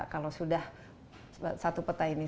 kalau sudah satu peta ini